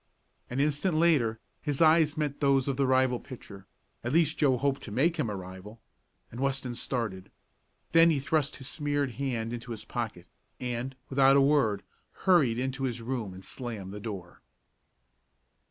An instant later his eyes met those of the rival pitcher at least Joe hoped to make him a rival and Weston started. Then he thrust his smeared hand into his pocket, and, without a word, hurried into his room and slammed the door.